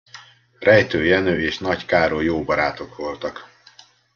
Rejtő Jenő és Nagy Károly jó barátok voltak.